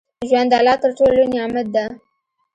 ژوند د الله تر ټولو لوى نعمت ديه.